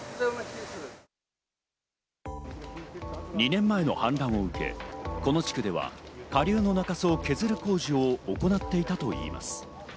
２年前の氾濫を受け、この地区では下流の中洲を削る工事を行っていたといいます。